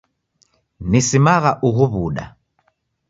Nisimagha ughu w'uda.